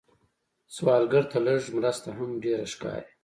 سوالګر ته لږ مرسته هم ډېره ښکاري